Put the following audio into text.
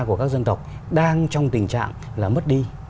của các dân tộc đang trong tình trạng là mất đi